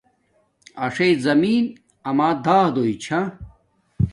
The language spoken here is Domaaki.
اݽی زمین اما دادݸ چھا